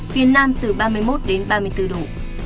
phía nam từ ba mươi một đến ba mươi bốn độ